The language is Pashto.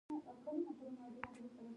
د مقناطیسي خطونو تراکم څه شی ښيي؟